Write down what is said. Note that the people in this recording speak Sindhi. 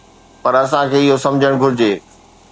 پر اسان کي اهو سمجهڻ گهرجي